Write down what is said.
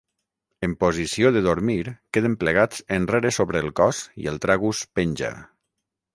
En posició de dormir queden plegats enrere sobre el cos i el tragus penja.